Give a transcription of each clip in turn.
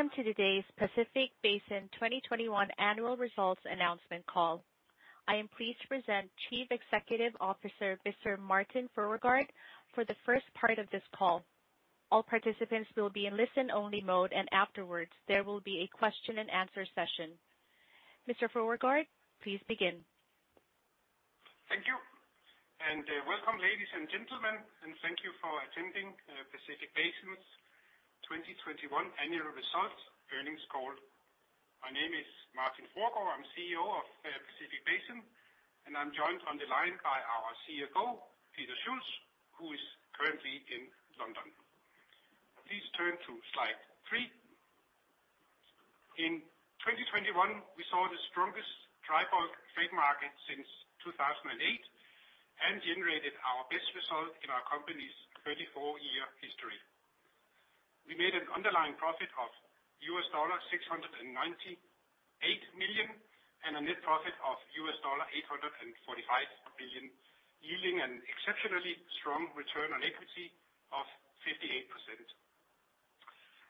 Welcome to today's Pacific Basin 2021 annual results announcement call. I am pleased to present Chief Executive Officer, Mr. Martin Fruergaard, for the first part of this call. All participants will be in listen-only mode, and afterwards, there will be a question and answer session. Mr. Fruergaard, please begin. Thank you. Welcome, ladies and gentlemen, and thank you for attending Pacific Basin's 2021 annual results earnings call. My name is Martin Fruergaard. I'm CEO of Pacific Basin, and I'm joined on the line by our CFO, Peter Schulz, who is currently in London. Please turn to slide three. In 2021, we saw the strongest dry bulk freight market since 2008 and generated our best result in our company's 34-year history. We made an underlying profit of $698 million and a net profit of $845 million, yielding an exceptionally strong return on equity of 58%.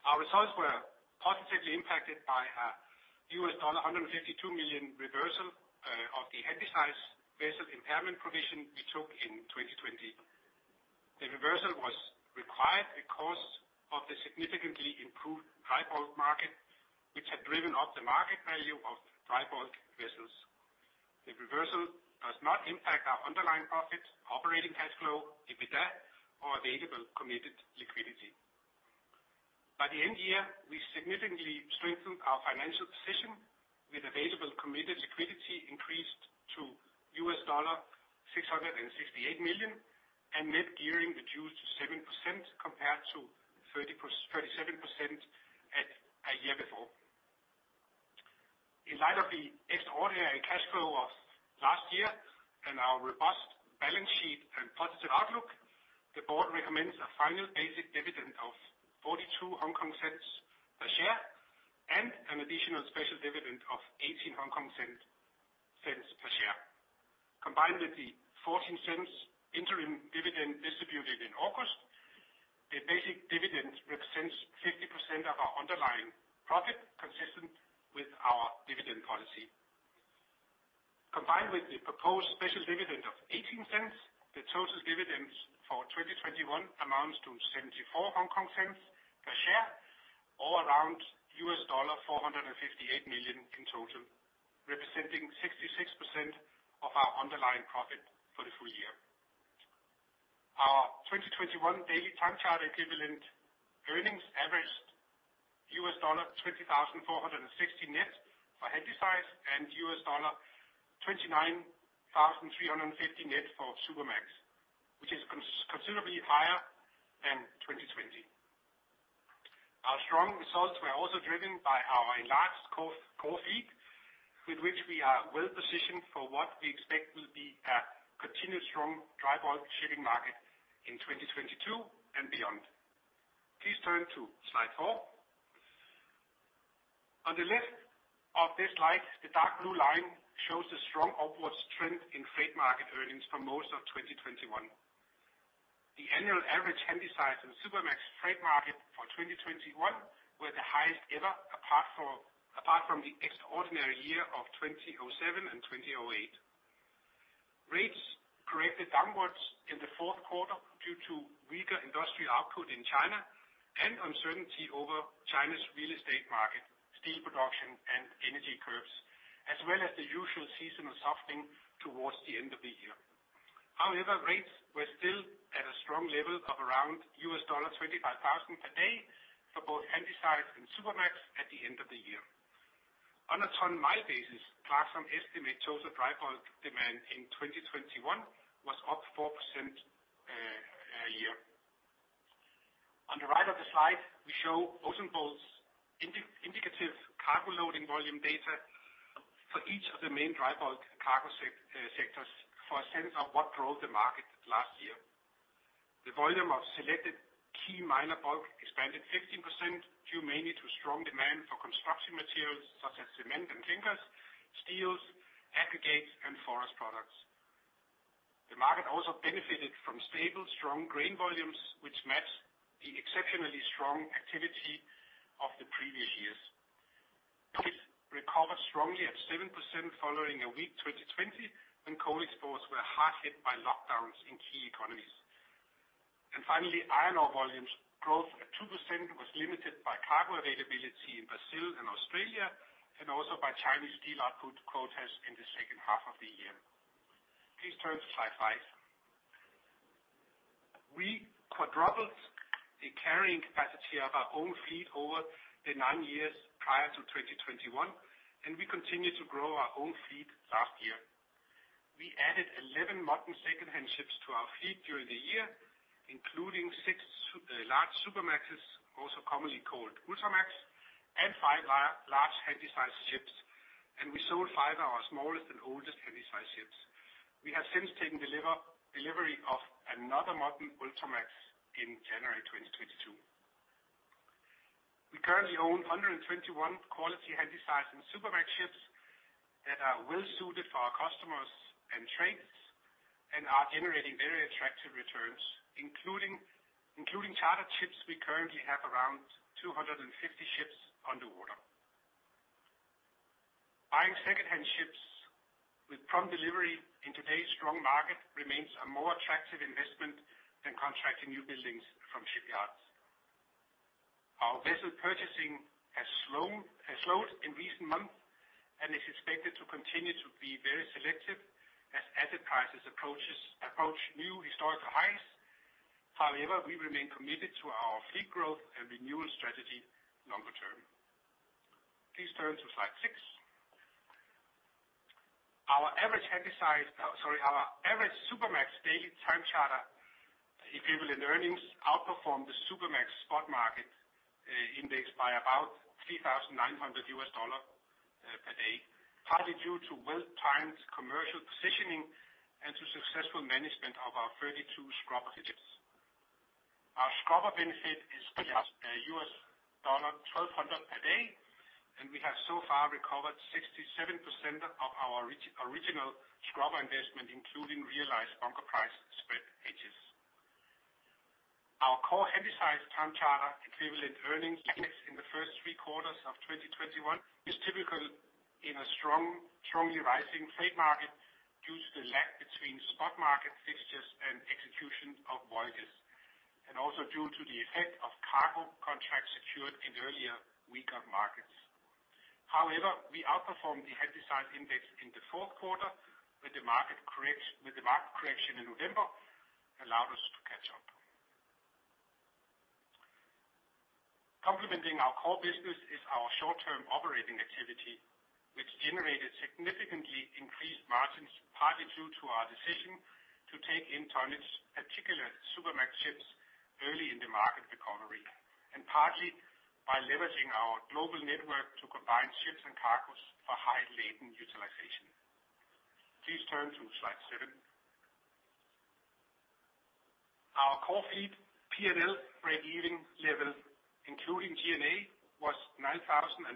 Our results were positively impacted by a $152 million reversal of the Handysize vessel impairment provision we took in 2020. The reversal was required because of the significantly improved dry bulk market, which had driven up the market value of dry bulk vessels. The reversal does not impact our underlying profit, operating cash flow, EBITDA, or available committed liquidity. By the end of the year, we significantly strengthened our financial position with available committed liquidity increased to $668 million and net gearing reduced to 7% compared to 37% a year before. In light of the extraordinary cash flow of last year and our robust balance sheet and positive outlook, the board recommends a final basic dividend of 0.42 a share and an additional special dividend of 0.18 per share. Combined with the 0.14 interim dividend distributed in August, the basic dividend represents 50% of our underlying profit consistent with our dividend policy. Combined with the proposed special dividend of 0.18, the total dividends for 2021 amounts to 0.74 per share, around $458 million in total, representing 66% of our underlying profit for the full year. Our 2021 daily time charter equivalent earnings averaged $20,460 net for Handysize and $29,350 net for Supramax, which is considerably higher than 2020. Our strong results were also driven by our large core fleet, with which we are well-positioned for what we expect will be a continued strong dry bulk shipping market in 2022 and beyond. Please turn to slide four. On the left of this slide, the dark blue line shows a strong upwards trend in freight market earnings for most of 2021. The annual average Handysize and Supramax freight market for 2021 were the highest ever apart from the extraordinary year of 2007 and 2008. Rates corrected downwards in the fourth quarter due to weaker industrial output in China and uncertainty over China's real estate market, steel production, and energy curbs, as well as the usual seasonal softening towards the end of the year. However, rates were still at a strong level of around $25,000 per day for both Handysize and Supramax at the end of the year. On a ton-mile basis, Clarksons estimates total dry bulk demand in 2021 was up 4% a year. On the right of the slide, we show Oceanbolt indicative cargo loading volume data for each of the main dry bulk cargo sectors for a sense of what drove the market last year. The volume of selected key minor bulk expanded 15%, due mainly to strong demand for construction materials such as cement and timbers, steels, aggregates, and forest products. The market also benefited from stable, strong grain volumes, which matched the exceptionally strong activity of the previous years. It recovered strongly at 7% following a weak 2020 when coal exports were hard hit by lockdowns in key economies. Finally, iron ore volumes growth at 2% was limited by cargo availability in Brazil and Australia and also by Chinese steel output quotas in the second half of the year. Please turn to slide five. We quadrupled the carrying capacity of our own fleet over the nine years prior to 2021, and we continued to grow our own fleet last year. We added 11 modern secondhand ships to our fleet during the year, including six large Supramaxes, also commonly called Ultramax, and five large Handysize ships, and we sold five of our smallest and oldest Handysize ships. We have since taken delivery of another modern Ultramax in January 2022. We currently own 121 quality Handysize and Supramax ships that are well suited for our customers and trades and are generating very attractive returns. Including chartered ships we currently have around 250 ships on the water. Buying secondhand ships with prompt delivery in today's strong market remains a more attractive investment than contracting new buildings from shipyards. Our vessel purchasing has slowed in recent months and is expected to continue to be very selective as asset prices approach new historical highs. However, we remain committed to our fleet growth and renewal strategy longer term. Please turn to slide six. Our average Supramax daily time charter equivalent earnings outperformed the Supramax spot market index by about $3,900 per day, partly due to well-timed commercial positioning and to successful management of our 32 scrubber ships. Our scrubber benefit is still at $1,200 per day, and we have so far recovered 67% of our original scrubber investment, including realized bunker price spread hedges. Our core Handysize time charter equivalent earnings in the first three quarters of 2021 is typical in a strong, strongly rising freight market due to the lag between spot market fixtures and execution of voyages, and also due to the effect of cargo contracts secured in earlier weaker markets. However, we outperformed the Handysize index in the fourth quarter with the market correction in November allowed us to catch up. Complementing our core business is our short-term operating activity, which generated significantly increased margins, partly due to our decision to take in tonnage, particularly Supramax ships early in the market recovery, and partly by leveraging our global network to combine ships and cargoes for high laden utilization. Please turn to slide seven. Our core fleet P&L breakeven level, including G&A, was $9,030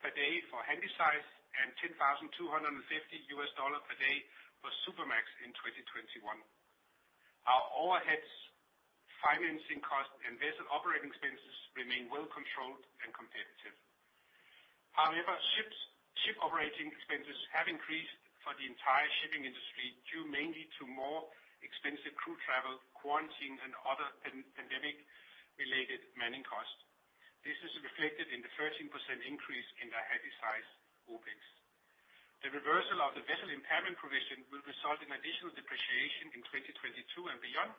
per day for Handysize and $10,250 per day for Supramax in 2021. Our overheads, financing costs and vessel operating expenses remain well controlled and competitive. However, ship operating expenses have increased for the entire shipping industry, due mainly to more expensive crew travel, quarantine and other pandemic-related manning costs. This is reflected in the 13% increase in the Handysize OpEx. The reversal of the vessel impairment provision will result in additional depreciation in 2022 and beyond,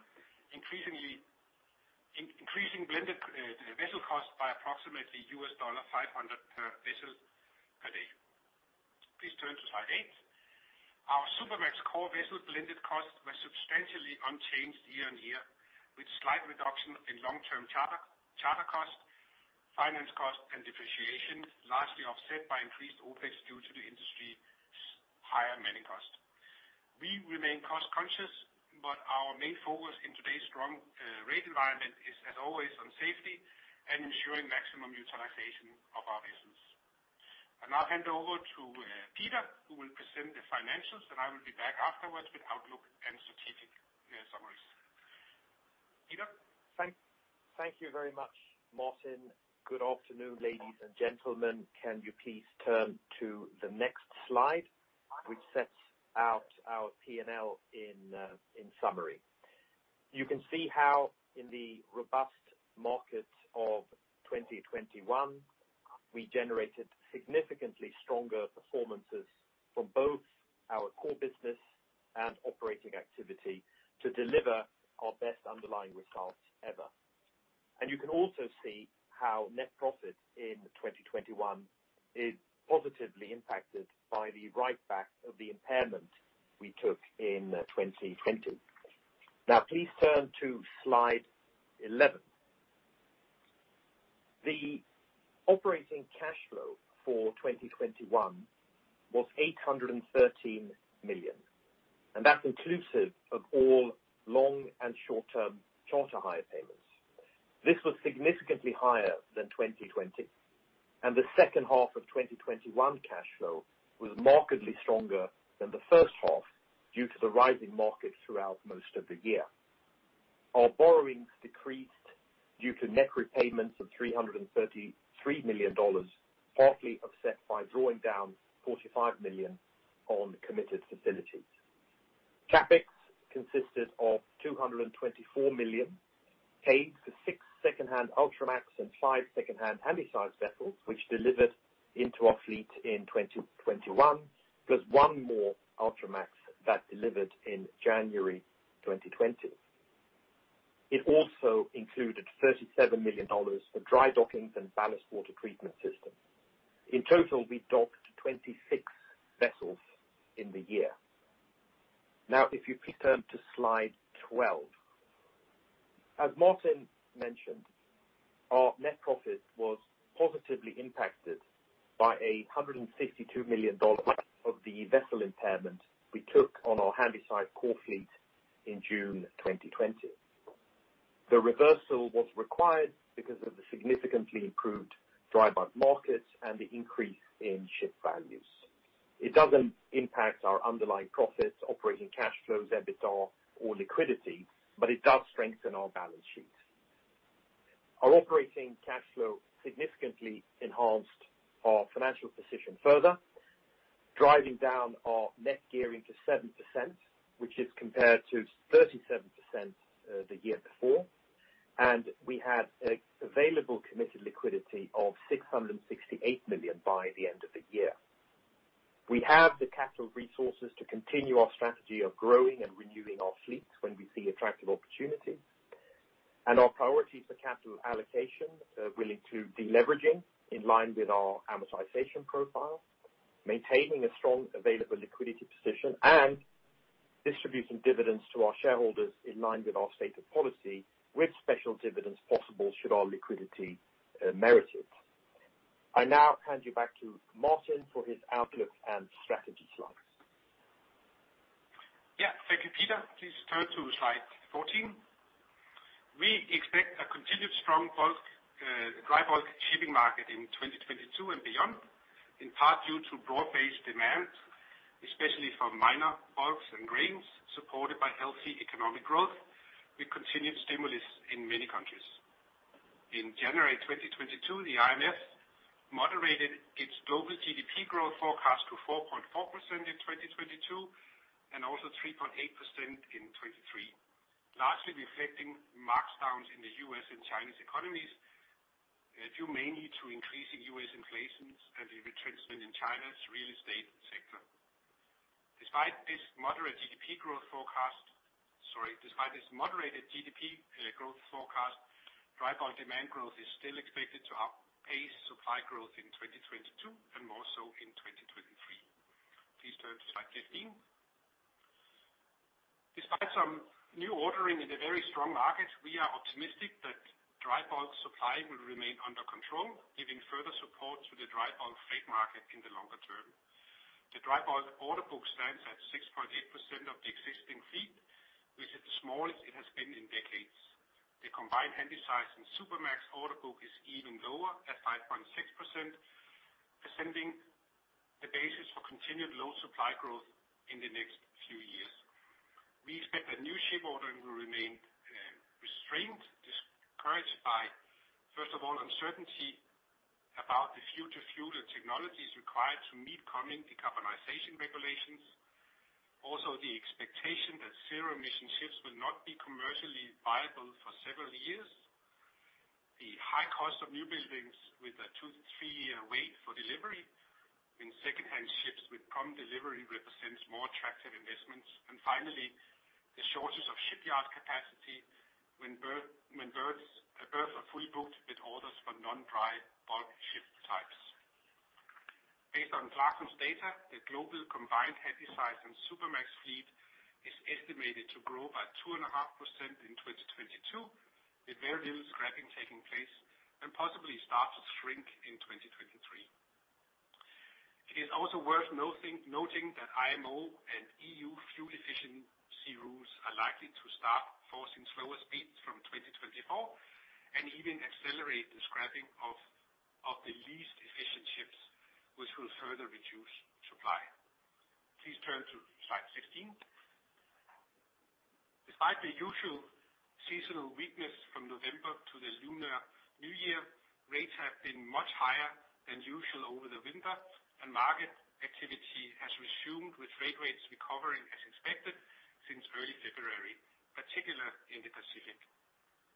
increasing blended vessel costs by approximately $500 per vessel per day. Please turn to slide eight. Our Supramax core vessel blended costs were substantially unchanged year-on-year, with slight reduction in long-term charter costs, finance costs and depreciation, largely offset by increased OpEx due to the industry's higher manning cost. We remain cost conscious, but our main focus in today's strong rate environment is, as always, on safety and ensuring maximum utilization of our vessels. I'll now hand over to Peter, who will present the financials, and I will be back afterwards with outlook and strategic summaries. Peter? Thank you very much, Martin. Good afternoon, ladies and gentlemen. Can you please turn to the next slide which sets out our P&L in summary. You can see how in the robust market of 2021, we generated significantly stronger performances from both our core business and operating activity to deliver our best underlying results ever. You can also see how net profit in 2021 is positively impacted by the write back of the impairment we took in 2020. Now please turn to slide 11. The operating cash flow for 2021 was $813 million, and that's inclusive of all long and short-term charter hire payments. This was significantly higher than 2020, and the second half of 2021 cash flow was markedly stronger than the first half due to the rising market throughout most of the year. Our borrowings decreased due to net repayments of $333 million, partly offset by drawing down $45 million on committed facilities. CapEx consisted of $224 million paid for six secondhand Ultramax and five secondhand Handysize vessels, which delivered into our fleet in 2021, plus one more Ultramax that delivered in January 2020. It also included $37 million for dry dockings and ballast water treatment systems. In total, we docked 26 vessels in the year. Now, if you please turn to slide 12. As Martin mentioned, our net profit was positively impacted by $152 million of the vessel impairment we took on our Handysize core fleet in June 2020. The reversal was required because of the significantly improved dry bulk markets and the increase in ship values. It doesn't impact our underlying profits, operating cash flows, EBITDA, or liquidity, but it does strengthen our balance sheet. Our operating cash flow significantly enhanced our financial position further, driving down our net gearing to 7%, which is compared to 37%, the year before. We had an available committed liquidity of $668 million by the end of the year. We have the capital resources to continue our strategy of growing and renewing our fleet when we see attractive opportunities. Our priorities for capital allocation are really to deleveraging in line with our amortization profile, maintaining a strong available liquidity position, and distributing dividends to our shareholders in line with our stated policy with special dividends possible should our liquidity merit it. I now hand you back to Martin for his outlook and strategy slides. Thank you, Peter. Please turn to slide 14. We expect a continued strong bulk, dry bulk shipping market in 2022 and beyond, in part due to broad-based demand, especially for minor bulks and grains, supported by healthy economic growth with continued stimulus in many countries. In January 2022, the IMF moderated its global GDP growth forecast to 4.4% in 2022, and also 3.8% in 2023, largely reflecting markdowns in the U.S. and Chinese economies, due mainly to increasing U.S. inflation and the retracement in China's real estate sector. Despite this moderated GDP growth forecast, dry bulk demand growth is still expected to outpace supply growth in 2022 and more so in 2023. Please turn to slide 15. Despite some new ordering in a very strong market, we are optimistic that dry bulk supply will remain under control, giving further support to the dry bulk freight market in the longer term. The dry bulk order book stands at 6.8% of the existing fleet, which is the smallest it has been in decades. The combined Handysize and Supramax order book is even lower at 5.6%, presenting the basis for continued low supply growth in the next few years. We expect that new ship ordering will remain restrained, discouraged by, first of all, uncertainty about the future fuel and technologies required to meet coming decarbonization regulations. Also, the expectation that zero emission ships will not be commercially viable for several years. The high cost of newbuildings with a two to three year wait for delivery, when secondhand ships with prompt delivery represents more attractive investments. Finally, the shortage of shipyard capacity when berths are fully booked with orders for non-dry bulk ship types. Based on Draka's data, the global combined Handysize and Supramax fleet is estimated to grow by 2.5% in 2022, with very little scrapping taking place and possibly start to shrink in 2023. It is also worth noting that IMO and EU fuel efficiency rules are likely to start forcing slower speeds from 2024 and even accelerate the scrapping of the least efficient ships, which will further reduce supply. Please turn to slide 15. Despite the usual seasonal weakness from November to the Lunar New Year, rates have been much higher than usual over the winter, and market activity has resumed with freight rates recovering as expected since early February, particularly in the Pacific.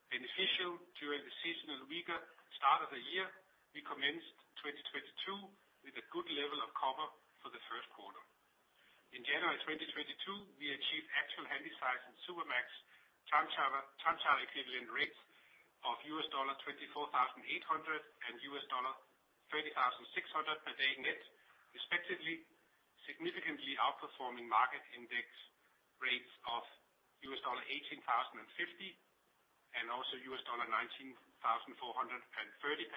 Beneficial during the seasonal weaker start of the year, we commenced 2022 with a good level of cover for the first quarter. In January 2022, we achieved actual Handysize and Supramax time charter, time charter equivalent rates of $24,800 and $30,600 per day net respectively, significantly outperforming market index rates of $18,050 and also $19,430 per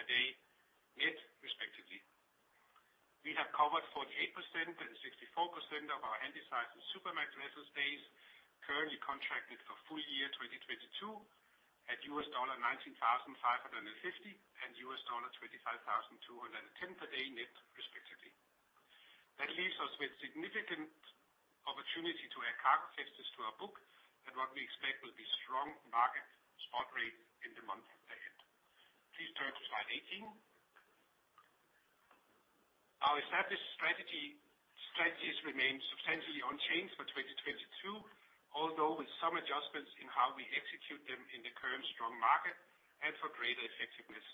day net respectively. We have covered 48% and 64% of our Handysize and Supramax vessel days currently contracted for full year 2022 at $19,550 and $25,210 per day net respectively. That leaves us with significant opportunity to add cargo fixes to our book at what we expect will be strong market spot rates in the months ahead. Please turn to slide 18. Our established strategies remain substantially unchanged for 2022, although with some adjustments in how we execute them in the current strong market and for greater effectiveness.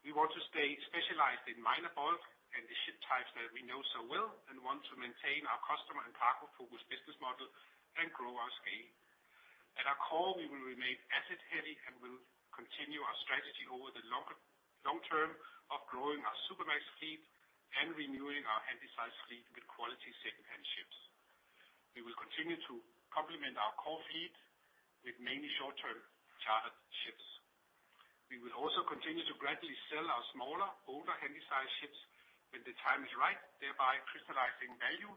We want to stay specialized in minor bulk and the ship types that we know so well and want to maintain our customer and cargo-focused business model and grow our scale. At our core, we will remain asset heavy and will continue our strategy over the longer long term of growing our Supramax fleet and renewing our Handysize fleet with quality secondhand ships. We will continue to complement our core fleet with mainly short-term charter parties. We will also continue to gradually sell our smaller, older Handysize ships when the time is right, thereby crystallizing value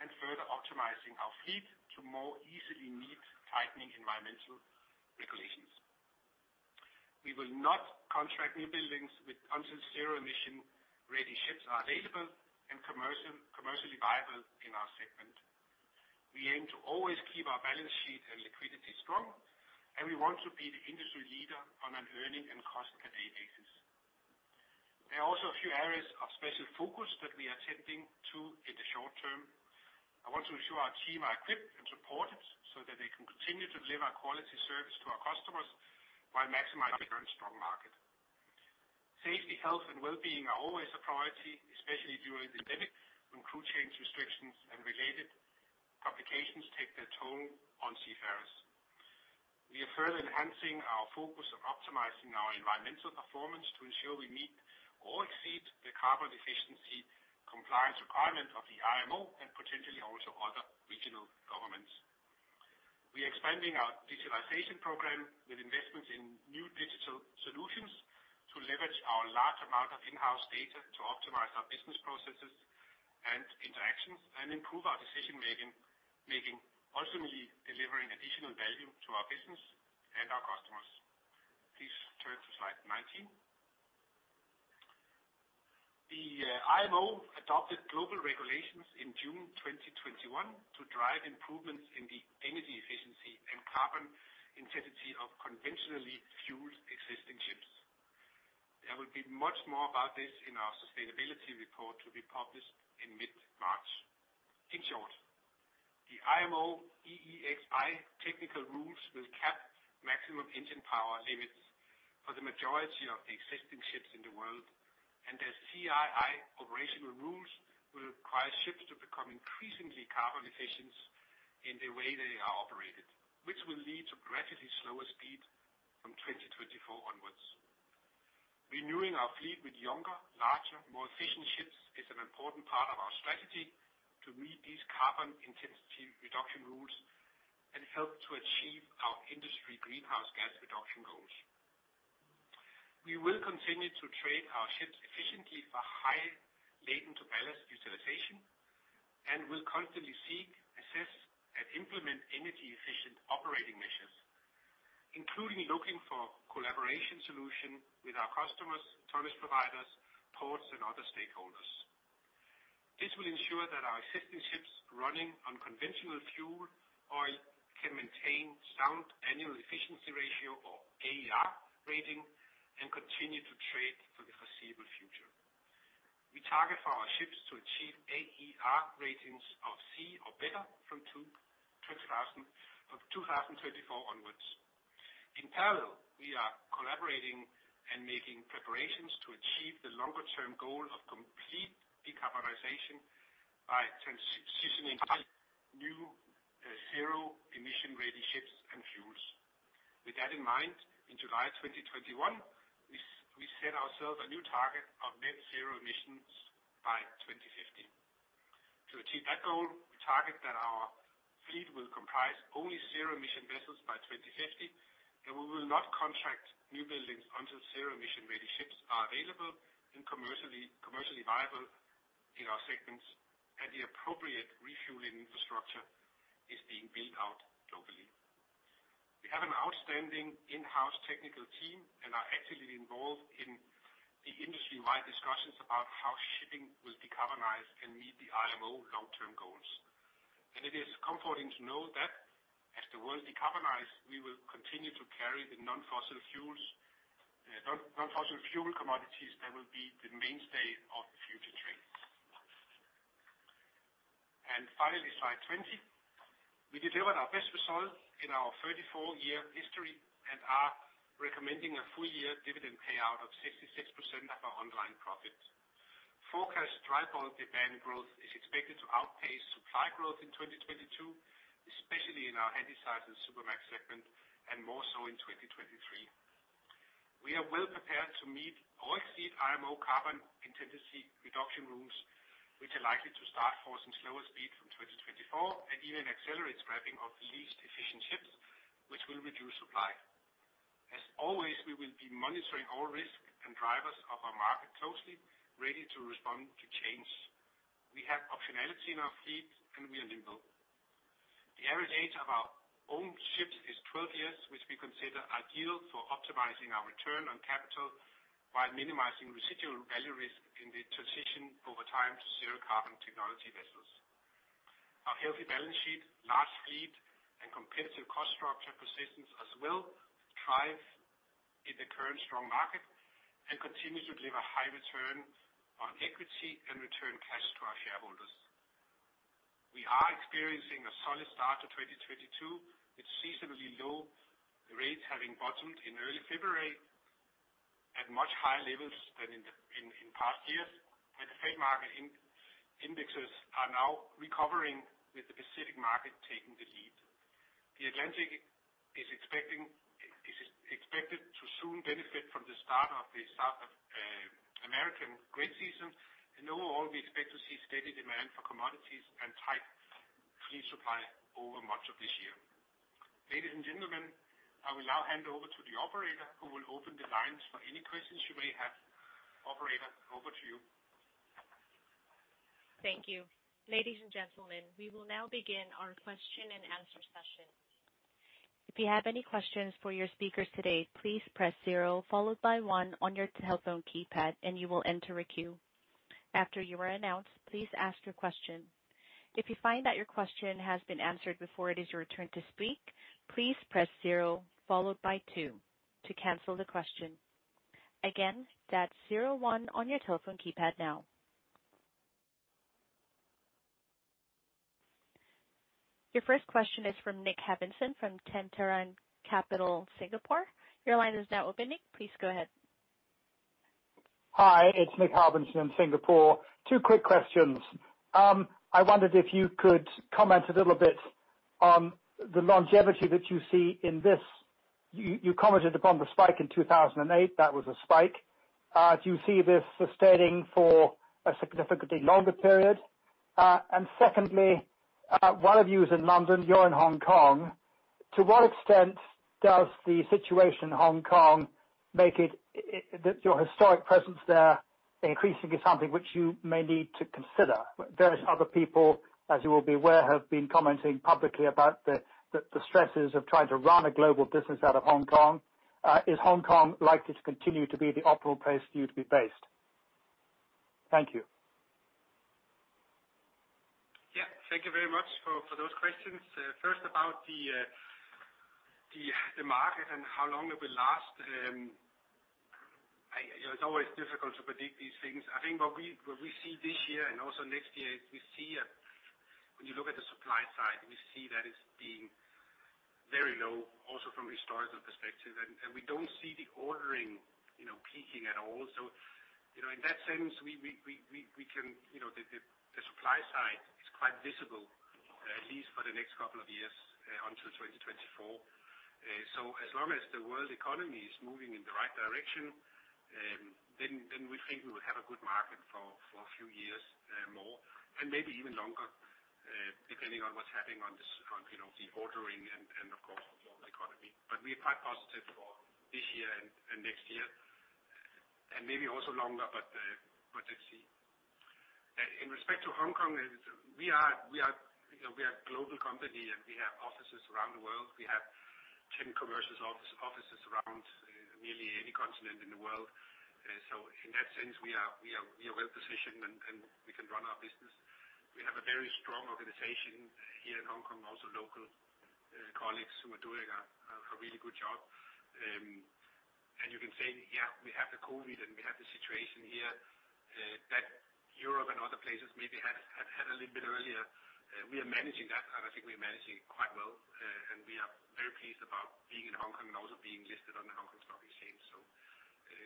and further optimizing our fleet to more easily meet tightening environmental regulations. We will not contract newbuildings until zero-emission ready ships are available and commercially viable in our segment. We aim to always keep our balance sheet and liquidity strong, and we want to be the industry leader on an earnings and cost per day basis. There are also a few areas of special focus that we are tending to in the short term. I want to ensure our team are equipped and supported so that they can continue to deliver quality service to our customers while maximizing current strong market. Safety, health, and well-being are always a priority, especially during the pandemic, when crew change restrictions and related complications take their toll on seafarers. We are further enhancing our focus on optimizing our environmental performance to ensure we meet or exceed the carbon efficiency compliance requirements of the IMO and potentially also other regional governments. We are expanding our digitalization program with investments in new digital solutions to leverage our large amount of in-house data to optimize our business processes and interactions and improve our decision making ultimately delivering additional value to our business and our customers. Please turn to slide 19. The IMO adopted global regulations in June 2021 to drive improvements in the energy efficiency and carbon intensity of conventionally fueled existing ships. There will be much more about this in our sustainability report to be published in mid-March. In short, the IMO EEXI technical rules will cap maximum engine power limits for the majority of the existing ships in the world, and their CII operational rules will require ships to become increasingly carbon efficient in the way they are operated, which will lead to gradually slower speed from 2024 onwards. Renewing our fleet with younger, larger, more efficient ships is an important part of our strategy to meet these carbon intensity reduction rules and help to achieve our industry greenhouse gas reduction goals. We will continue to trade our ships efficiently for high laden-to-ballast utilization and will constantly seek, assess, and implement energy efficient operating measures, including looking for collaboration solution with our customers, tonnage providers, ports, and other stakeholders. This will ensure that our existing ships running on conventional fuel oil can maintain sound Annual Efficiency Ratio or AER rating and continue to trade for the foreseeable future. We target for our ships to achieve AER ratings of C or better from 2034 onwards. In parallel, we are collaborating and making preparations to achieve the longer term goal of complete decarbonization by transitioning to new zero emission ready ships and fuels. With that in mind, in July 2021, we set ourselves a new target of net zero emissions by 2050. To achieve that goal, we target that our fleet will comprise only zero emission vessels by 2050, and we will not contract new buildings until zero emission ready ships are available and commercially viable in our segments, and the appropriate refueling infrastructure is being built out globally. We have an outstanding in-house technical team and are actively involved in the industry-wide discussions about how shipping will decarbonize and meet the IMO long-term goals. It is comforting to know that as the world decarbonize, we will continue to carry the non-fossil fuel commodities that will be the mainstay of future trades. Finally, slide 20. We delivered our best result in our 34-year history and are recommending a full-year dividend payout of 66% of our ongoing profit. Forecast dry bulk demand growth is expected to outpace supply growth in 2022, especially in our Handysize and Supramax segment, and more so in 2023. We are well prepared to meet all fleet IMO carbon intensity reduction rules, which are likely to start forcing slower speed from 2024 and even accelerate scrapping of the least efficient ships, which will reduce supply. As always, we will be monitoring all risk and drivers of our market closely, ready to respond to change. We have optionality in our fleet, and we are nimble. The average age of our own ships is 12 years, which we consider ideal for optimizing our return on capital while minimizing residual value risk in the transition over time to zero carbon technology vessels. Our healthy balance sheet, large fleet, and competitive cost structure positions us well to thrive in the current strong market and continue to deliver high return on equity and return cash to our shareholders. We are experiencing a solid start to 2022, with seasonally low rates having bottomed in early February at much higher levels than in past years, and the freight market indexes are now recovering with the Pacific market taking the lead. The Atlantic is expected to soon benefit from the start of the South American grain season. Overall, we expect to see steady demand for commodities and tight supply. Fleet supply over much of this year. Ladies and gentlemen, I will now hand over to the operator who will open the lines for any questions you may have. Operator, over to you. Thank you. Ladies and gentlemen, we will now begin our question and answer session. If you have any questions for your speakers today, please press zero followed by one on your telephone keypad, and you will enter a queue. After you are announced, please ask your question. If you find that your question has been answered before it is your turn to speak, please press zero followed by two to cancel the question. Again, that's zero one on your telephone keypad now. Your first question is from Nick Harbinson from Tantallon Capital, Singapore. Your line is now open, Nick. Please go ahead. Hi, it's Nick Harbinson in Singapore. Two quick questions. I wondered if you could comment a little bit on the longevity that you see in this. You commented upon the spike in 2008. That was a spike. Do you see this sustaining for a significantly longer period? Secondly, one of you is in London, you're in Hong Kong. To what extent does the situation in Hong Kong make that your historic presence there increasingly something which you may need to consider? Various other people, as you will be aware, have been commenting publicly about the stresses of trying to run a global business out of Hong Kong. Is Hong Kong likely to continue to be the optimal place for you to be based? Thank you. Yeah, thank you very much for those questions. First about the market and how long it will last. I know, it's always difficult to predict these things. I think what we see this year and also next year, we see. When you look at the supply side, we see that it's being very low also from historical perspective, and we don't see the ordering, you know, peaking at all. You know, in that sense, we can, you know, the supply side is quite visible, at least for the next couple of years, until 2024. As long as the world economy is moving in the right direction, then we think we will have a good market for a few years more and maybe even longer, depending on what's happening on you know the ordering and of course the world economy. We're quite positive for this year and next year, and maybe also longer, but let's see. In respect to Hong Kong, we are, you know, we are a global company, and we have offices around the world. We have 10 commercial offices around nearly any continent in the world. In that sense, we are well-positioned, and we can run our business. We have a very strong organization here in Hong Kong, also local colleagues who are doing a really good job. You can say, yeah, we have the COVID and we have the situation here that Europe and other places maybe had a little bit earlier. We are managing that, and I think we're managing it quite well. We are very pleased about being in Hong Kong and also being listed on the Hong Kong Stock Exchange.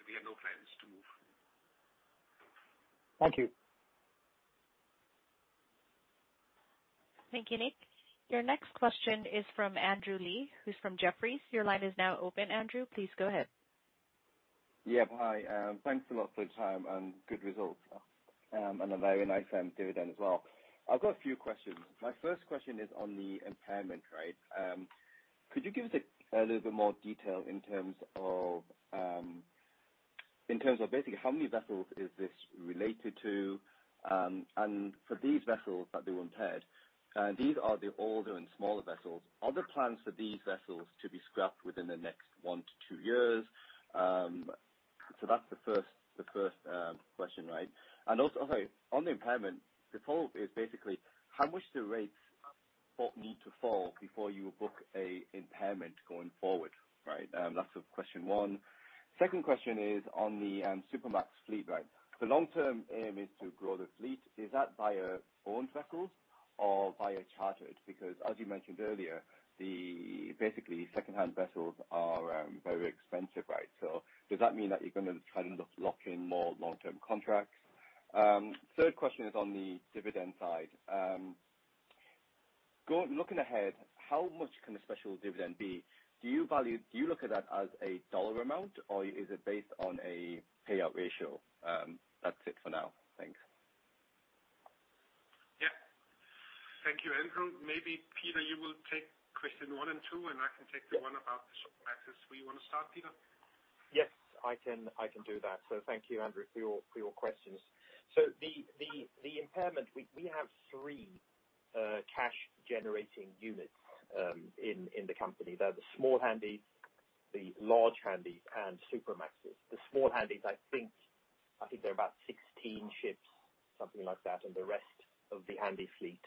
We have no plans to move. Thank you. Thank you, Nick. Your next question is from Andrew Lee, who's from Jefferies. Your line is now open, Andrew. Please go ahead. Yeah. Hi, thanks a lot for your time and good results. A very nice dividend as well. I've got a few questions. My first question is on the impairment rate. Could you give us a little bit more detail in terms of basically how many vessels is this related to? For these vessels that they were impaired, these are the older and smaller vessels. Are there plans for these vessels to be scrapped within the next one to two years? That's the first question, right? On the impairment, the follow-up is basically how much the rates need to fall before you book an impairment going forward, right? That's question one. Second question is on the Supramax fleet, right? The long-term aim is to grow the fleet. Is that via owned vessels or via chartered? Because as you mentioned earlier, the basically second-hand vessels are very expensive, right? So does that mean that you're gonna try and lock in more long-term contracts? Third question is on the dividend side. Looking ahead, how much can a special dividend be? Do you look at that as a dollar amount or is it based on a payout ratio? That's it for now. Thanks. Yeah. Thank you, Andrew. Maybe, Peter, you will take question one and two, and I can take the one about the Supramaxes. Where you wanna start, Peter? Yes. I can do that. Thank you, Andrew, for your questions. The impairment, we have three cash generating units in the company. They're the small Handys, the large Handys and Supermaxes. The small Handys, I think there are about 16 ships, something like that, and the rest of the Handy fleet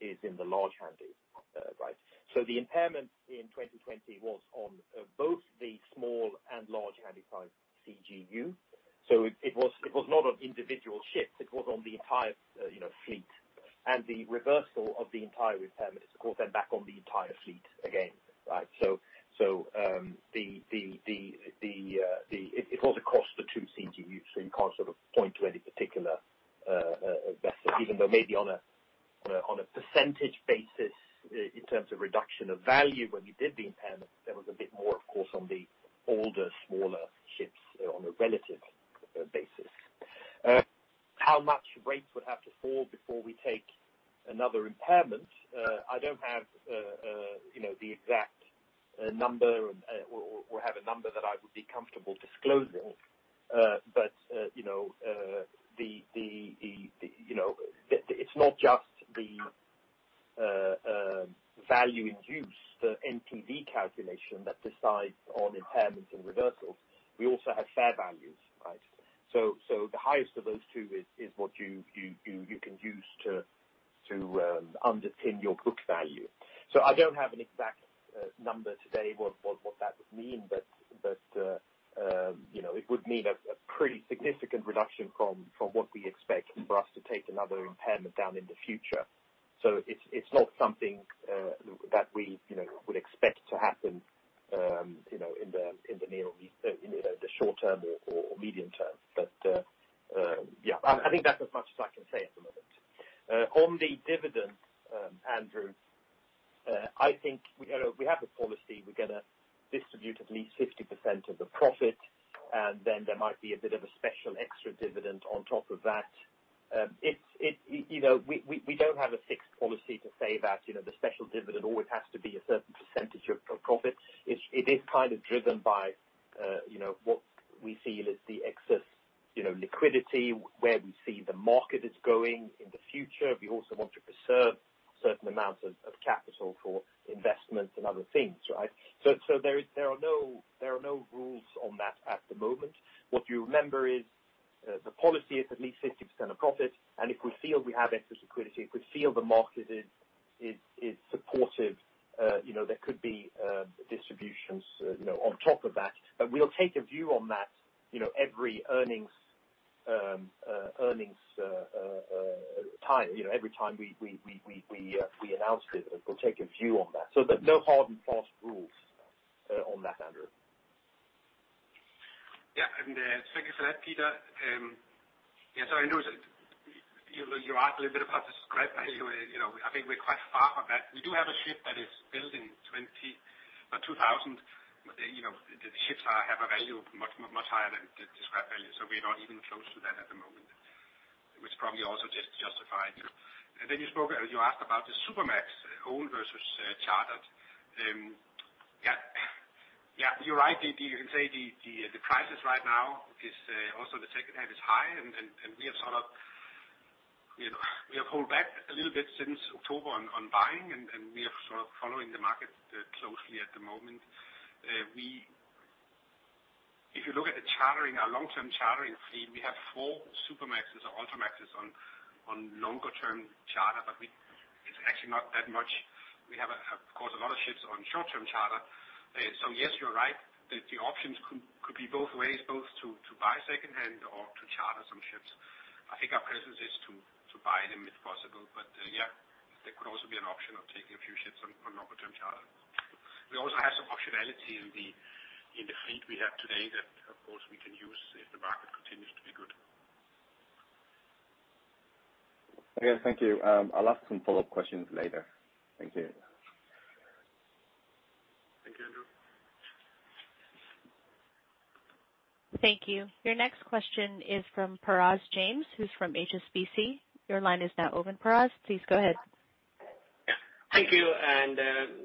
is in the large Handys, right. The impairment in 2020 was on both the small and large Handy size CGU. It was not on individual ships, it was on the entire fleet. You know, the reversal of the entire impairment is of course then back on the entire fleet again, right. It was across the two CGUs, so you can't sort of point to any particular vessel. Even though maybe on a percentage basis in terms of reduction of value, when you did the impairment, there was a bit more of course, on the older, smaller ships on a relative basis. How much rates would have to fall before we take another impairment? I don't have, you know, the exact number or have a number that I would be comfortable disclosing. But you know, the value in use, the NPV calculation that decides on impairments and reversals. We also have fair values, right? The highest of those two is what you can use to underpin your book value. I don't have an exact number today what that would mean, but you know, it would mean a pretty significant reduction from what we expect for us to take another impairment down in the future. It's not something that we, you know, would expect to happen, you know, in the short term or medium term. Yeah, I think that's as much as I can say at the moment. On the dividend, Andrew, I think you know we have a policy. We're gonna distribute at least 50% of the profit, and then there might be a bit of a special extra dividend on top of that. You know, we don't have a fixed policy to say that, you know, the special dividend always has to be a certain percentage of profit. It is kind of driven by, you know, what we feel is the excess, you know, liquidity, where we see the market is going in the future. We also want to preserve certain amounts of capital for investments and other things, right? There are no rules on that at the moment. What you remember is, the policy is at least 50% of profit, and if we feel we have excess liquidity, if we feel the market is supportive, you know, there could be distributions, you know, on top of that. We'll take a view on that, you know, every earnings time. You know, every time we announce it, we'll take a view on that. No hard and fast rules on that, Andrew. Yeah. Thank you for that, Peter. Yeah, so I know you asked a little bit about the scrap value. You know, I think we're quite far from that. We do have a ship that is built in 2000. You know, the ships have a value much higher than the scrap value, so we're not even close to that at the moment, which probably also just justifies. Then you spoke, you asked about the Supramax, owned versus chartered. Yeah. Yeah, you're right. You can say the prices right now is also the secondhand is high, and we have sort of, you know, pulled back a little bit since October on buying, and we are sort of following the market closely at the moment. We... If you look at the chartering, our long-term chartering fleet, we have four Supramaxes or Ultramaxes on longer term charter, it's actually not that much. We have, of course, a lot of ships on short-term charter. Yes, you're right. The options could be both ways, both to buy secondhand or to charter some ships. I think our preference is to buy them if possible. Yeah, there could also be an option of taking a few ships on longer term charter. We also have some optionality in the fleet we have today that, of course, we can use if the market continues to be good. Okay. Thank you. I'll ask some follow-up questions later. Thank you. Thank you, Andrew. Thank you. Your next question is from Parash Jain, who's from HSBC. Your line is now open, Parash. Please go ahead. Yeah. Thank you,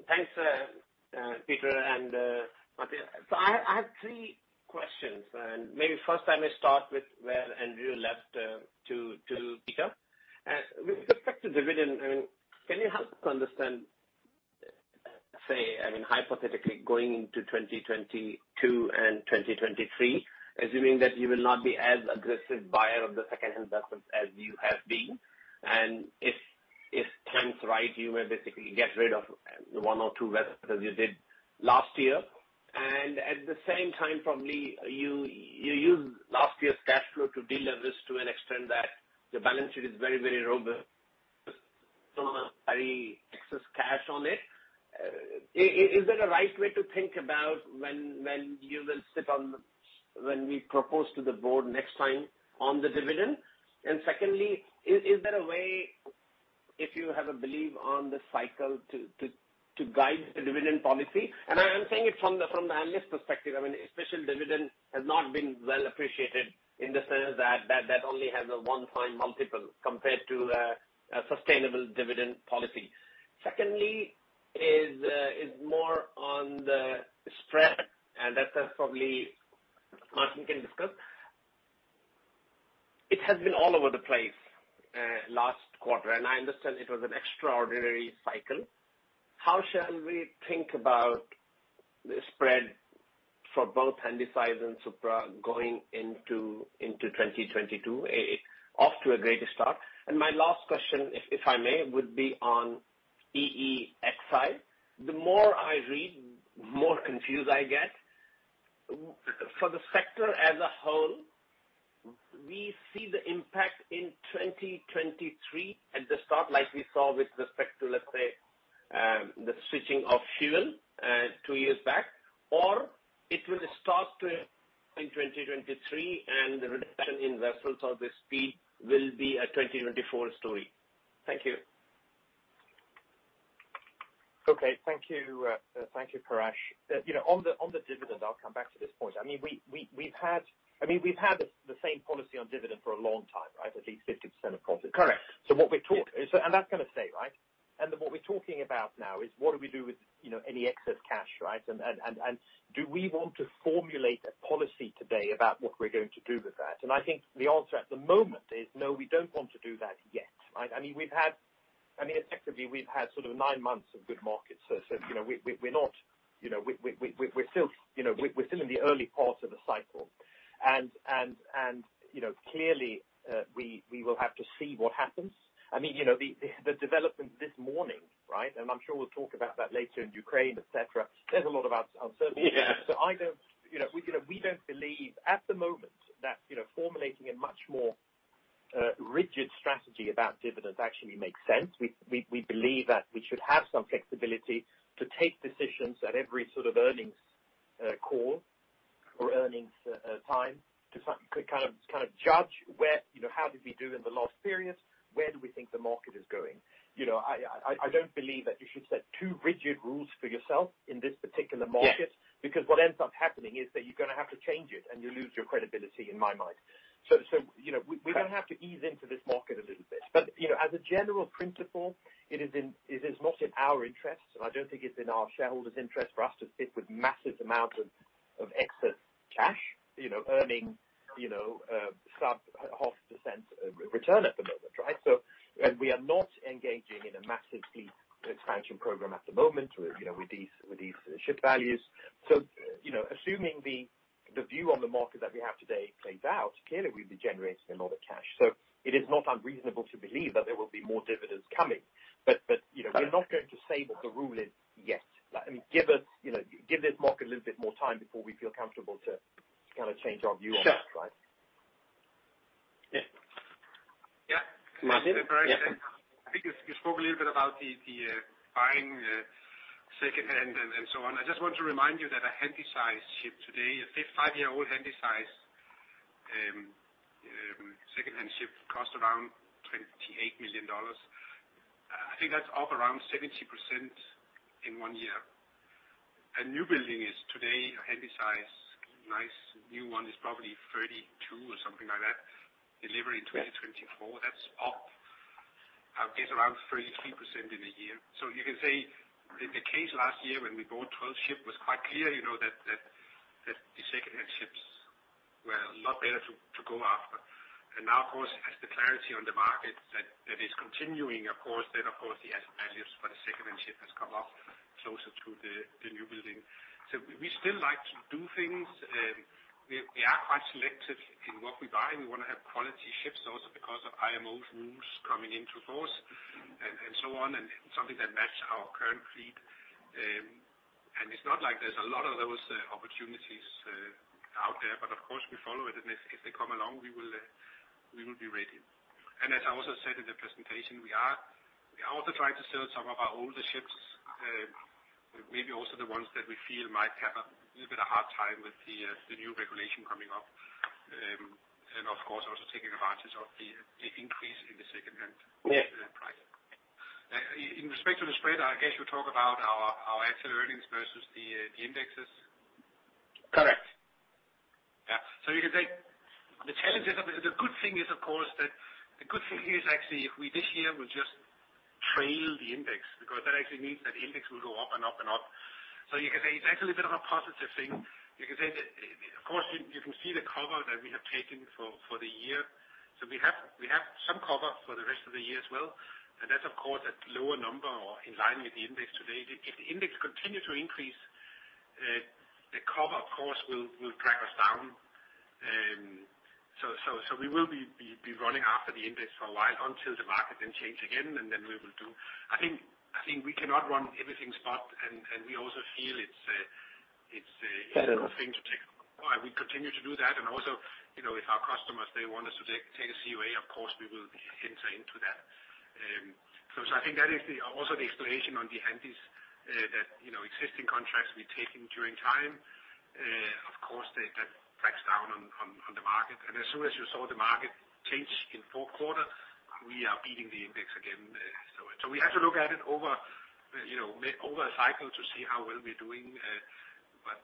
thanks Peter and Martin. I have three questions, maybe first time we start with where Andrew left to Peter. With respect to dividend, I mean, can you help us understand, say, I mean, hypothetically going into 2022 and 2023, assuming that you will not be as aggressive buyer of the secondhand vessels as you have been, and if time's right, you will basically get rid of one or two vessels as you did last year. At the same time, probably you used last year's cash flow to deliver to an extent that the balance sheet is very, very robust with very excess cash on it. Is that a right way to think about when we propose to the board next time on the dividend? Secondly, is there a way, if you have a belief on the cycle, to guide the dividend policy? I'm saying it from the analyst perspective. I mean, a special dividend has not been well appreciated in the sense that that only has a one-time multiple compared to a sustainable dividend policy. Secondly, is more on the spread, and that's probably Martin can discuss. It has been all over the place last quarter, and I understand it was an extraordinary cycle. How shall we think about the spread for both Handysize and Supra going into 2022 off to a great start? My last question, if I may, would be on EEXI side. The more I read, more confused I get. For the sector as a whole, we see the impact in 2023 at the start like we saw with respect to, let's say, the switching of fuel, two years back, or it will start to in 2023, and the reduction in vessels of this speed will be a 2024 story. Thank you. Okay. Thank you. Thank you, Parash. You know, on the dividend, I'll come back to this point. I mean, we've had the same policy on dividend for a long time, right? At least 50% of profit. Correct. What we're talk. Yeah. That's gonna stay, right? What we're talking about now is what do we do with, you know, any excess cash, right? Do we want to formulate a policy today about what we're going to do with that? I think the answer at the moment is no, we don't want to do that yet, right? I mean, effectively, we've had sort of nine months of good markets. You know, we're still in the early part of the cycle. You know, clearly, we will have to see what happens. I mean, you know, the development this morning, right? I'm sure we'll talk about that later in Ukraine, et cetera. There's a lot of uncertainty. Yeah. I don't, you know, we don't believe at the moment that, you know, formulating a much more rigid strategy about dividends actually makes sense. We believe that we should have some flexibility to take decisions at every sort of earnings call or earnings time to kind of judge where, you know, how did we do in the last period? Where do we think the market is going? You know, I don't believe that you should set too rigid rules for yourself in this particular market. Yes. Because what ends up happening is that you're gonna have to change it, and you lose your credibility in my mind. You know Correct. We're gonna have to ease into this market a little bit. You know, as a general principle, it is not in our interest, and I don't think it's in our shareholders' interest for us to sit with massive amounts of excess cash, you know, earning sub 0.5% return at the moment, right? Right. We are not engaging in a massive fleet expansion program at the moment with, you know, with these ship values. You know, assuming the view on the market that we have today plays out, clearly we'll be generating a lot of cash. It is not unreasonable to believe that there will be more dividends coming. But, you know- Got it. We're not going to say what the rule is yet. I mean, give us, you know, give this market a little bit more time before we feel comfortable to kind of change our view on this, right? Sure. Yeah. Yeah. Martin? Yeah. I think you spoke a little bit about the buying secondhand and so on. I just want to remind you that a Handysize ship today, a five year-old Handysize secondhand ship costs around $28 million. I think that's up around 70% in one year. A newbuilding today, a Handysize, nice new one is probably $32 million or something like that, delivering 2024. That's up, I would guess, around 33% in a year. You can say in the case last year when we bought 12 ships, it was quite clear, you know, that the secondhand ships were a lot better to go after. Now, of course, as the clarity on the market that is continuing, of course, then of course the asset values for the secondhand ship has come up closer to the newbuilding. We still like to do things. We are quite selective in what we buy, and we wanna have quality ships also because of IMO's rules coming into force and so on, and something that match our current fleet. It's not like there's a lot of those opportunities out there. Of course, we follow it. If they come along, we will be ready. As I also said in the presentation, we are also trying to sell some of our older ships, maybe also the ones that we feel might have a little bit of hard time with the new regulation coming up. Of course, also taking advantage of the increase in the secondhand. Yeah. Price. In respect to the spread, I guess you talk about our actual earnings versus the indexes. Correct. Yeah. You can say the challenges of it, the good thing is, of course, actually if we this year will just trail the index, because that actually means that the index will go up and up and up. You can say it's actually a bit of a positive thing. You can say that, of course, you can see the cover that we have taken for the year. We have some cover for the rest of the year as well, and that's of course at lower number or in line with the index today. If the index continue to increase, the cover, of course, will drag us down. We will be running after the index for a while until the market then change again, and then we will do. I think we cannot run everything spot and we also feel it's. Yeah. It's a good thing to take. We continue to do that. Also, you know, if our customers they want us to take a COA, of course, we will enter into that. So I think that is also the explanation on the Handysize, you know, existing contracts we've taken over time. Of course that tracks down on the market. As soon as you saw the market change in fourth quarter, we are beating the index again. We have to look at it over a cycle to see how well we're doing, but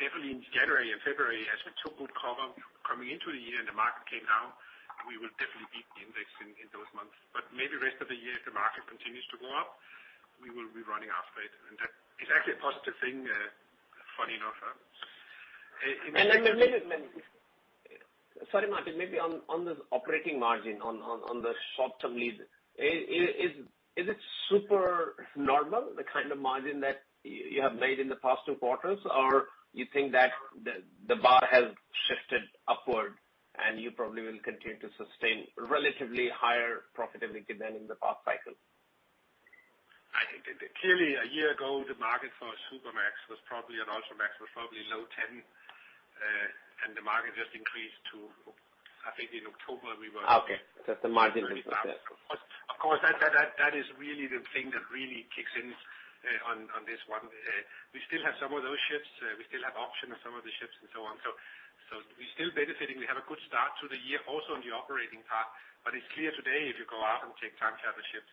definitely in January and February, as we took good cover coming into the year and the market came down, we will definitely beat the index in those months. Maybe rest of the year, if the market continues to go up, we will be running after it. That is actually a positive thing, funny enough. Sorry, Martin. Maybe on this operating margin, on the short-term lead, is it super normal, the kind of margin that you have made in the past two quarters? Or you think that the bar has shifted upward and you probably will continue to sustain relatively higher profitability than in the past cycles? I think clearly a year ago, the market for a Supramax was probably an Ultramax was probably low ten, and the market just increased to, I think in October we were. Okay. The margin will be successful. Of course, that is really the thing that really kicks in on this one. We still have some of those ships. We still have option on some of the ships and so on. We're still benefiting. We have a good start to the year also in the operating part. It's clear today, if you go out and take time charter ships,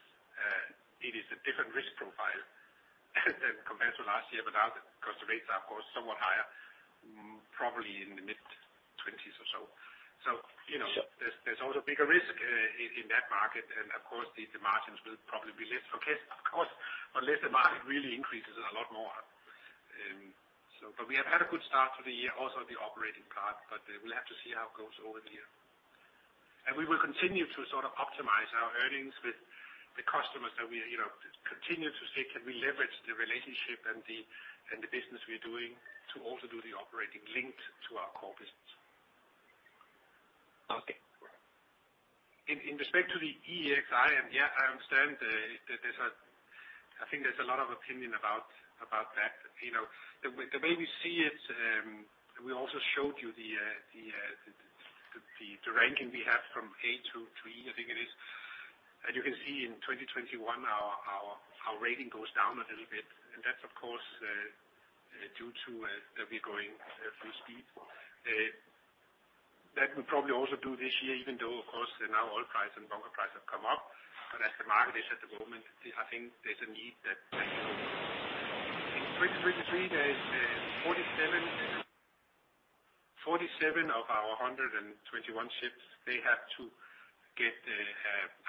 it is a different risk profile than compared to last year. Now the cost of rates are, of course, somewhat higher, probably in the mid-20s or so. You know- Sure. There's also a bigger risk in that market and of course the margins will probably be less. Okay. Of course, unless the market really increases a lot more. But we have had a good start to the year, also the operating part, but we'll have to see how it goes over the year. We will continue to sort of optimize our earnings with the customers that we, you know, continue to say, can we leverage the relationship and the business we're doing to also do the operating linked to our core business. Okay. In respect to the EEXI and yeah, I understand that there's a lot of opinion about that. You know, the way we see it, we also showed you the ranking we have from A to E, I think it is. As you can see in 2021, our rating goes down a little bit, and that's of course due to we going full speed. That will probably also do this year, even though of course now oil price and bunker price have come up, but as the market is at the moment, I think there's a need that you know. In 2023, there's 47 of our 121 ships, they have to get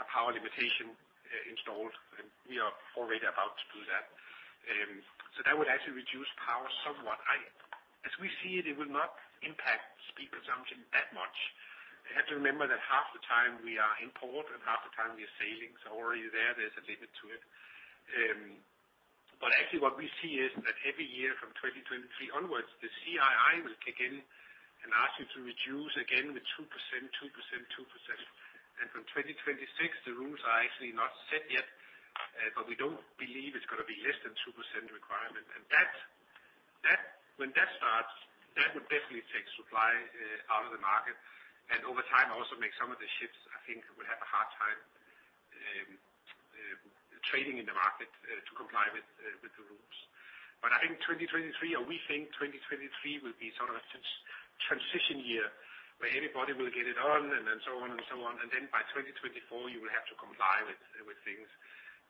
a power limitation installed. We are already about to do that. So that would actually reduce power somewhat. As we see it will not impact speed consumption that much. You have to remember that half the time we are in port and half the time we are sailing, so already there's a limit to it. But actually what we see is that every year from 2023 onwards, the CII will kick in and ask you to reduce again with 2%, 2%, 2%. From 2026, the rules are actually not set yet, but we don't believe it's gonna be less than 2% requirement. When that starts, that would definitely take supply out of the market. Over time, also make some of the ships, I think, will have a hard time trading in the market to comply with the rules. I think 2023, or we think 2023 will be sort of a transition year, where everybody will get it on and then so on and so on. Then by 2024, you will have to comply with things.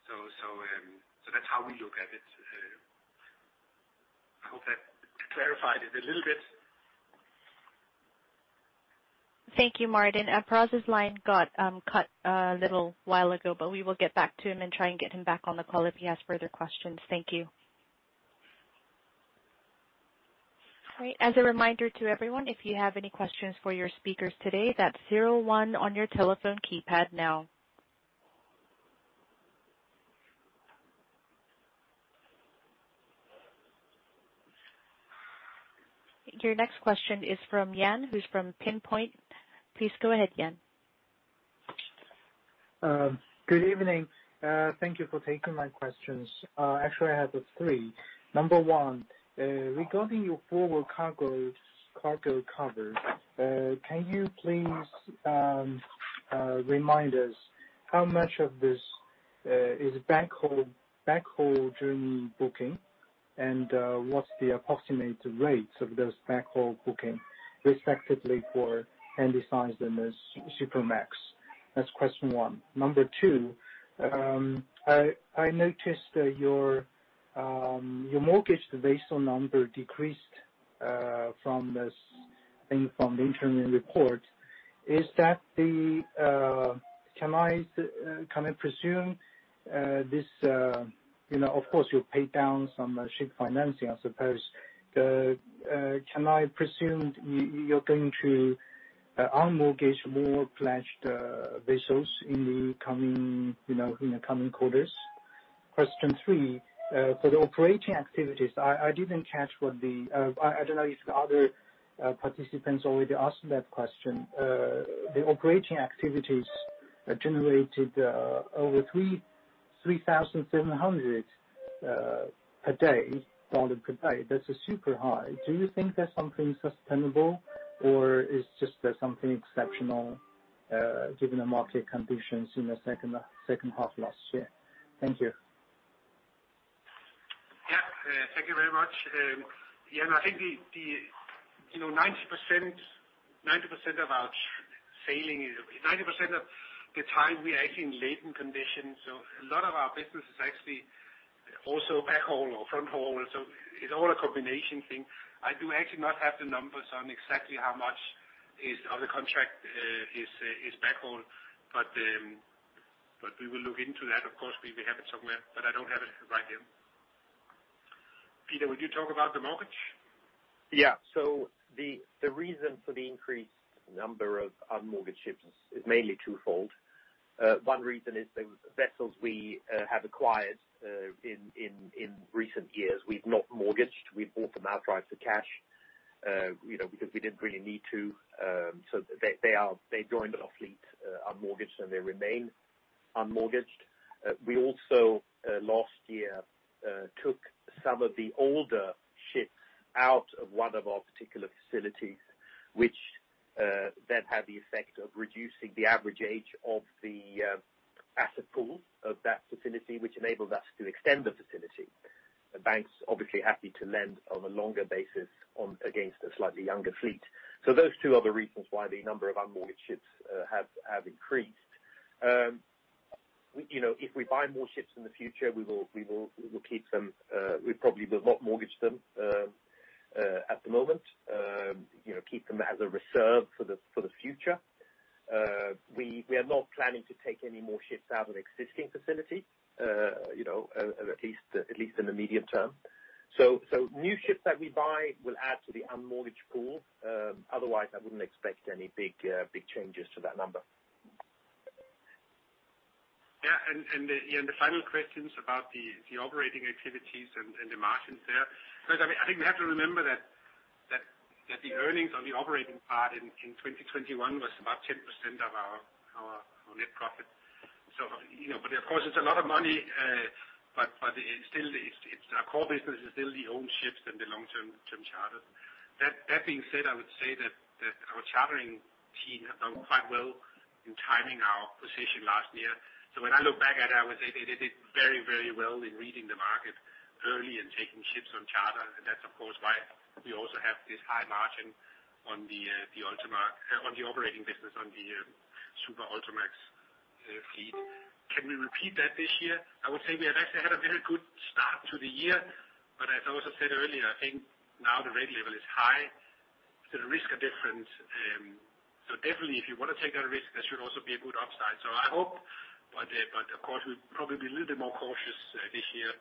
That's how we look at it. I hope that clarified it a little bit. Thank you, Martin. Parash's line got cut a little while ago, but we will get back to him and try and get him back on the call if he has further questions. Thank you. All right. As a reminder to everyone, if you have any questions for your speakers today, that's zero one on your telephone keypad now. Your next question is from Yang, who's from Pinpoint. Please go ahead, Yang. Good evening. Thank you for taking my questions. Actually I have three. Number one, regarding your forward cargo covers, can you please remind us how much of this is backhaul during booking, and what's the approximate rates of those backhaul booking respectively for Handysize and the Supramax? That's question one. Number two, I noticed that your mortgaged vessel number decreased from the interim report, I think. Can I presume, you know, of course you paid down some ship financing, I suppose, that you're going to unmortgage more pledged vessels in the coming quarters? Question three, for the operating activities, I didn't catch what the. I don't know if the other participants already asked that question. The operating activities that generated over $3,700 per day. That's super high. Do you think that's something sustainable or it's just something exceptional, given the market conditions in the second half last year? Thank you. Yeah. Thank you very much. I think 90% of our sailing is 90% of the time we are actually in laden conditions, so a lot of our business is actually also backhaul or front haul. It's all a combination thing. I do actually not have the numbers on exactly how much of the contract is backhaul, but we will look into that. Of course, we will have it somewhere, but I don't have it right here. Peter, would you talk about the mortgage? Yeah. The reason for the increased number of unmortgaged ships is mainly twofold. One reason is the vessels we have acquired in recent years, we've not mortgaged. We've bought them outright for cash, you know, because we didn't really need to. They joined our fleet unmortgaged, and they remain unmortgaged. We also last year took some of the older ships out of one of our particular facilities, which. That had the effect of reducing the average age of the asset pool of that facility, which enabled us to extend the facility. The bank's obviously happy to lend on a longer basis on, against a slightly younger fleet. Those two are the reasons why the number of unmortgaged ships have increased. You know, if we buy more ships in the future, we will keep them. We probably will not mortgage them at the moment. You know, keep them as a reserve for the future. We are not planning to take any more ships out of existing facility, you know, at least in the medium term. New ships that we buy will add to the unmortgaged pool. Otherwise, I wouldn't expect any big changes to that number. Yeah. The final questions about the operating activities and the margins there. Because I mean, I think we have to remember that the earnings on the operating part in 2021 was about 10% of our net profit. You know, but of course it's a lot of money. But still, it's our core business is still the own ships and the long-term charters. That being said, I would say that our chartering team have done quite well in timing our position last year. When I look back at it, I would say they did very, very well in reading the market early and taking ships on charter, and that's of course why we also have this high margin on the operating business on the Super Ultramax fleet. Can we repeat that this year? I would say we have actually had a very good start to the year, but as I also said earlier, I think now the rate level is high, so the risks are different. Definitely if you wanna take that risk, there should also be a good upside. I hope, but of course, we'll probably be a little bit more cautious this year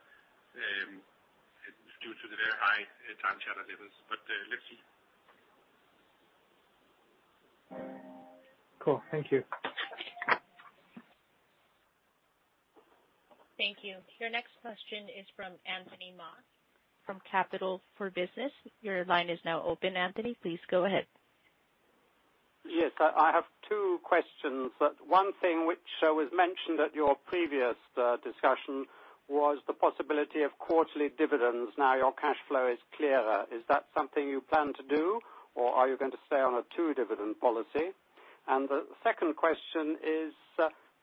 due to the very high time charter levels. Let's see. Cool. Thank you. Thank you. Your next question is from Anthony Ma from Capital for Business. Your line is now open, Anthony. Please go ahead. Yes, I have two questions. One thing which was mentioned at your previous discussion was the possibility of quarterly dividends. Now your cash flow is clearer. Is that something you plan to do, or are you going to stay on a two dividend policy? The second question is,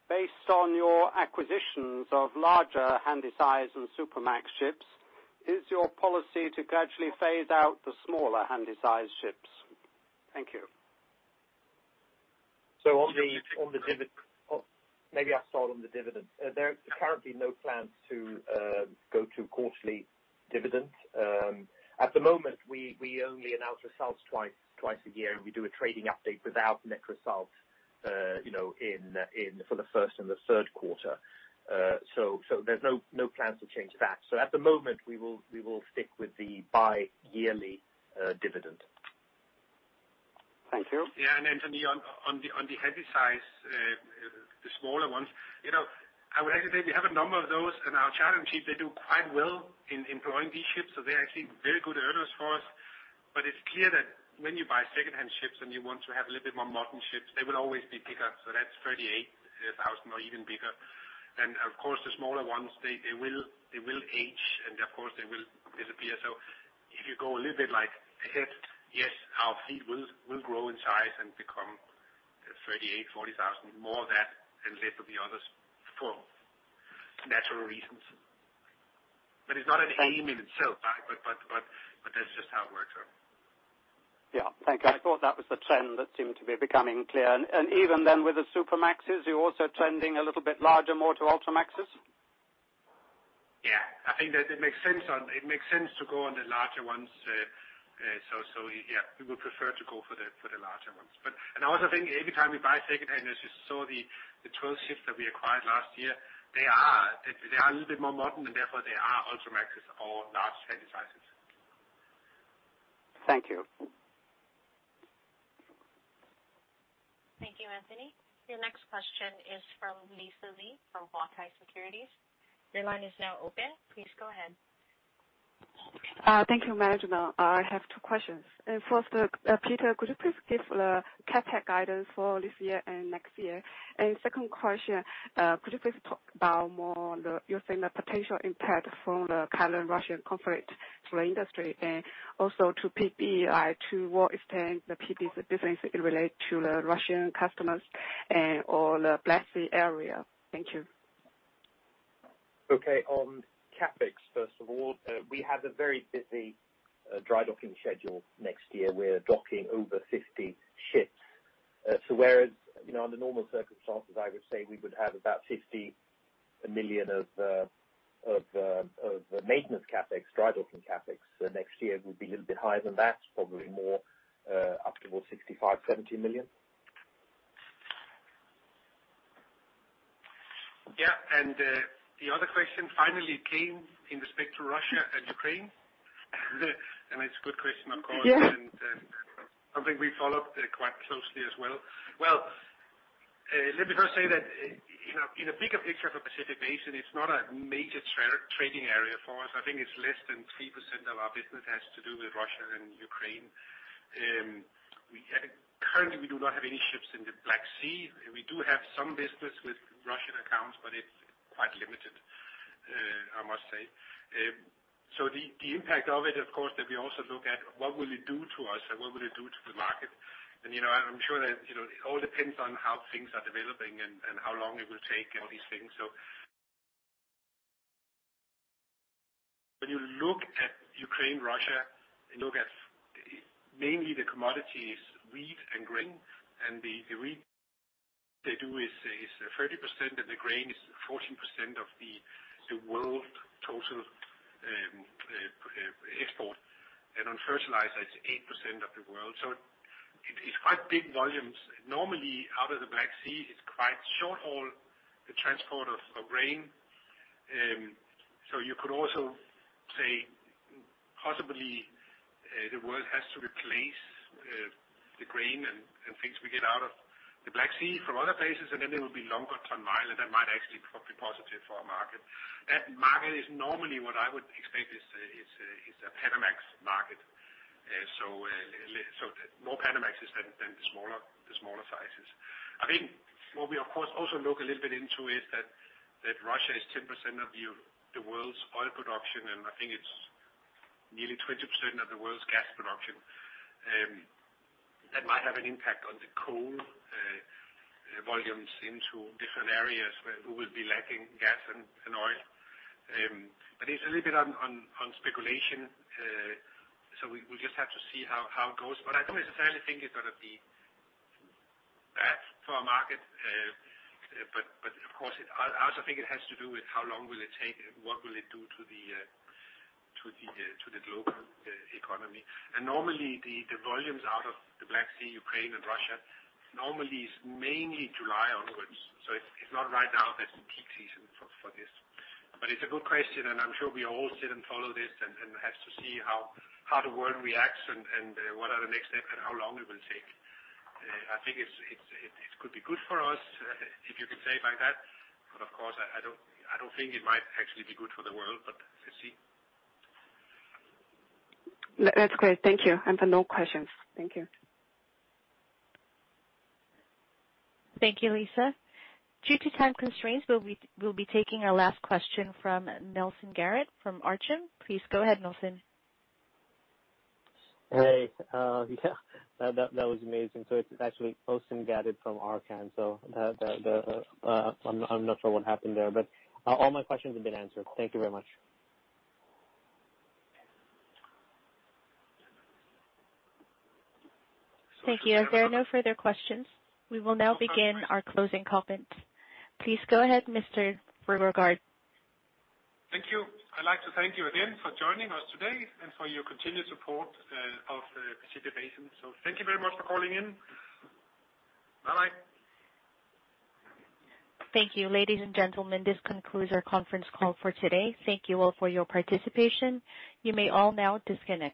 based on your acquisitions of larger Handysize and Supramax ships, is your policy to gradually phase out the smaller Handysize ships? Thank you. Maybe I'll start on the dividend. There are currently no plans to go to quarterly dividends. At the moment, we only announce results twice a year. We do a trading update without net results, you know, in for the first and the third quarter. So there's no plans to change that. At the moment, we will stick with the bi-yearly dividend. Thank you. Anthony, on the Handysize, the smaller ones, you know, I would actually say we have a number of those in our chartering team. They do quite well in employing these ships, so they're actually very good earners for us. It's clear that when you buy secondhand ships and you want to have a little bit more modern ships, they will always be bigger. That's 38,000 or even bigger. Of course, the smaller ones, they will age, and of course, they will disappear. If you go a little bit ahead, yes, our fleet will grow in size and become 38,000, 40,000, more of that and less of the others for natural reasons. It's not an aim in itself. That's just how it works out. Yeah. Thank you. I thought that was the trend that seemed to be becoming clear. Even then with the Supramaxes, you're also trending a little bit larger, more to Ultramaxes? Yeah. I think that it makes sense to go for the larger ones. Yeah, we would prefer to go for the larger ones. I also think every time we buy second-hand, as you saw the 12 ships that we acquired last year. They are a little bit more modern, and therefore they are Ultramaxes or large Handysizes. Thank you. Thank you, Anthony. Your next question is from Lisa Lin, from Huatai Securities. Your line is now open. Please go ahead. Thank you. You're welcome. I have two questions. First, Peter, could you please give the CapEx guidance for this year and next year? Second question, could you please talk about more on you think the potential impact from the current Russian conflict to the industry and also to PBS, to what extent the PBS business relate to the Russian customers and, or the Black Sea area? Thank you. Okay. On CapEx, first of all, we have a very busy dry docking schedule next year. We're docking over 50 ships. Whereas, you know, under normal circumstances, I would say we would have about $50 million of maintenance CapEx, dry docking CapEx. Next year will be a little bit higher than that, probably more up towards $65-$70 million. Yeah. The other question finally came in respect to Russia and Ukraine. It's a good question, of course. Yeah. Something we followed quite closely as well. Well, let me first say that, you know, in a bigger picture of Pacific Basin, it's not a major trading area for us. I think it's less than 3% of our business has to do with Russia and Ukraine. We currently do not have any ships in the Black Sea. We do have some business with Russian accounts, but it's, I must say. The impact of it, of course, that we also look at what will it do to us and what will it do to the market. You know, I'm sure that, you know, it all depends on how things are developing and how long it will take all these things. When you look at Ukraine, Russia, you look at mainly the commodities, wheat and grain. The wheat they do is 30%, and the grain is 14% of the world total export. On fertilizer, it's 8% of the world. So it's quite big volumes. Normally out of the Black Sea, it's quite short haul, the transport of grain. You could also say possibly the world has to replace the grain and things we get out of the Black Sea from other places, and then it will be longer ton-mile. That might actually be positive for our market. That market is normally what I would expect is a Panamax market. More Panamax than the smaller sizes. I think what we of course also look a little bit into is that Russia is 10% of the world's oil production, and I think it's nearly 20% of the world's gas production. That might have an impact on the coal volumes into different areas where we will be lacking gas and oil. It's a little bit on speculation. We just have to see how it goes. I don't necessarily think it's gonna be bad for our market. Of course, I also think it has to do with how long will it take, what will it do to the global economy. Normally the volumes out of the Black Sea, Ukraine and Russia normally is mainly July onwards, so it's not right now that's the peak season for this. It's a good question, and I'm sure we all sit and follow this and have to see how the world reacts and what are the next steps and how long it will take. I think it could be good for us, if you can say it like that. Of course, I don't think it might actually be good for the world. We'll see. That's great. Thank you. I've no questions. Thank you. Thank you, Lisa Lee. Due to time constraints, we'll be taking our last question from Nelson Garrett from Archon. Please go ahead, Nelson. Hey. Yeah, that was amazing. It's actually Nelson Garrett from Archon. I'm not sure what happened there, but all my questions have been answered. Thank you very much. Thank you. As there are no further questions, we will now begin our closing comment. Please go ahead, Mr. Fruergaard. Thank you. I'd like to thank you again for joining us today and for your continued support of Pacific Basin. Thank you very much for calling in. Bye-bye. Thank you. Ladies and gentlemen, this concludes our conference call for today. Thank you all for your participation. You may all now disconnect.